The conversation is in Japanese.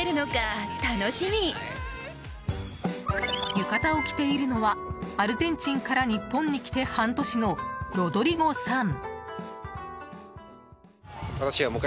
浴衣を着ているのはアルゼンチンから日本に来て半年のロドリゴさん。